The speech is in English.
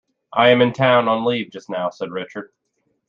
"I am in town on leave just now," said Richard.